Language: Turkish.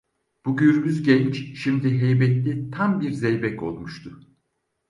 Bu gürbüz genç, şimdi heybetli tam bir zeybek olmuştu.